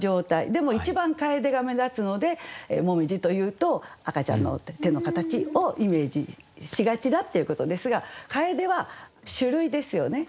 でも一番楓が目立つので紅葉というと赤ちゃんの手の形をイメージしがちだっていうことですが「楓」は種類ですよね。